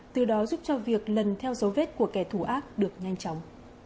từ đó giúp cho việc lần theo dấu vết của kẻ thù ác được nhanh chóng